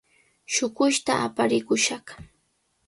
Shuqushta aparikushaq.